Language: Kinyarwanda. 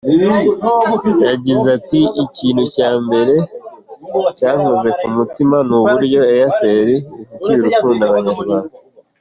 Yagize ati “Ikintu cya mbere cyankoze ku mutima ni uburyo Airtel ifitiye urukundo abanyarwanda.